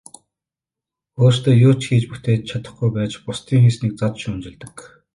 Өөрсдөө юу ч хийж бүтээж чадахгүй байж бусдын хийснийг зад шүүмжилдэг.